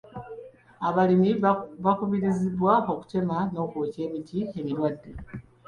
Abalimi bakubirizibwa okutema n'okwookya emiti emirwadde.